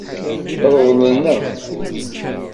Ṛeḍlen-aɣ-t.